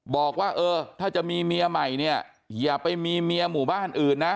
บอกว่าเออถ้าจะมีเมียใหม่เนี่ยอย่าไปมีเมียหมู่บ้านอื่นนะ